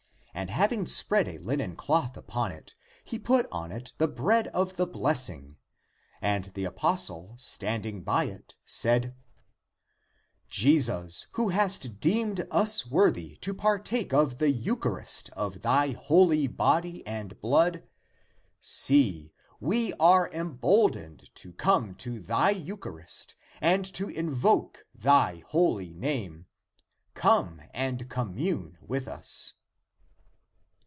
And having spread a linen cloth upon it, he put on it the bread of the blessing (the blessed bread). And the apos tle, standing by it, said, " Jesus, who hast deemed us worthy to partake of the eucharist of thy holy body and blood, see, we are emboldened to come to thy eucharist and to invoke thy holy name; come and commune with us."